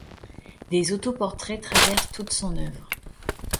Des autoportraits traversent toute son œuvre.